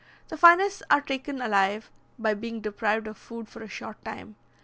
The finest are taken alive, by being deprived of food for a short time.